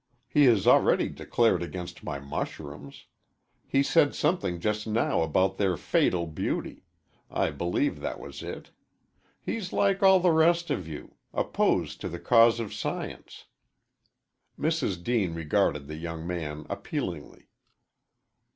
He has already declared against my mushrooms. He said something just now about their fatal beauty I believe that was it. He's like all the rest of you opposed to the cause of science." Mrs. Deane regarded the young man appealingly.